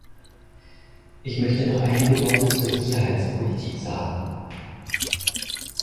Ich möchte noch einige Worte zur Sicherheitspolitik sagen.